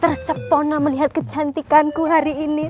tersepona melihat kecantikanku hari ini